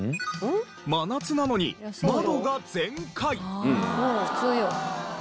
真夏なのに窓が全開！